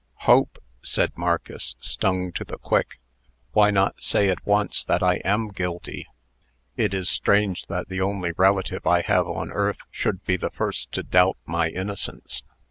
"Hope?" said Marcus, stung to the quick. "Why not say at once that I am guilty? It is strange that the only relative I have on earth should be the first to doubt my innocence."